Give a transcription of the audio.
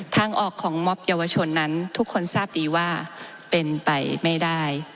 ทางออกของมอบเยาวชนนั้นทุกคนทราบดีว่าเป็นไปไม่ได้